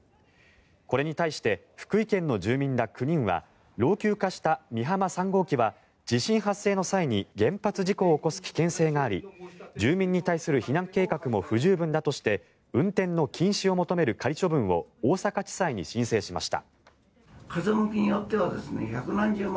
これに対して福井県の住民ら９人は老朽化した美浜３号機は地震発生の際に原発事故を起こす危険性があるとして住民に対する避難計画も不十分だとして運転の禁止を求める仮処分を大阪地裁に申請しました。